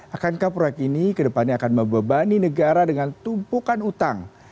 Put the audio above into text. akankah proyek ini ke depannya akan membebani negara dengan tumpukan utang